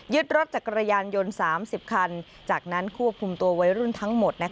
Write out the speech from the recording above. รถจักรยานยนต์๓๐คันจากนั้นควบคุมตัววัยรุ่นทั้งหมด